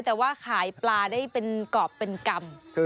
แต่ว่าขายปลาได้เป็นกรอบเป็นกรรม